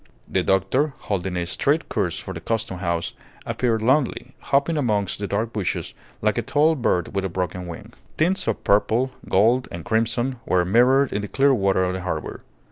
The doctor, holding a straight course for the Custom House, appeared lonely, hopping amongst the dark bushes like a tall bird with a broken wing. Tints of purple, gold, and crimson were mirrored in the clear water of the harbour.